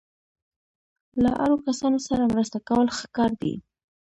له اړو کسانو سره مرسته کول ښه کار دی.